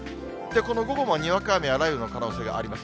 この午後もにわか雨や雷雨の可能性があります。